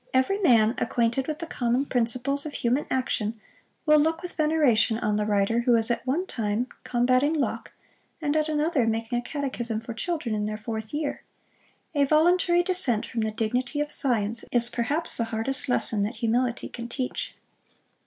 Every man, acquainted with the common principles of human action, will look with veneration on the writer who is at one time combating Locke, and at another making a catechism for children in their fourth year. A voluntary descent from the dignity of science is perhaps the hardest lesson that humility can teach.